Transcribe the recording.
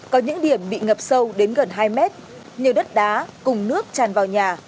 có những điểm bị ngập sâu đến gần hai mét nhiều đất đá cùng nước tràn vào nhà